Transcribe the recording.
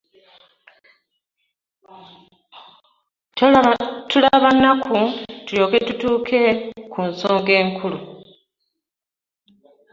Tubala nnaku tulyoke tutuuke ku nsonga enkulu.